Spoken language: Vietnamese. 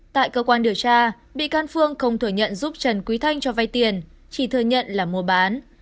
tại cơ quan điều tra bị can phương không thừa nhận giúp trần quý thanh cho vay tiền chỉ thừa nhận là mua bán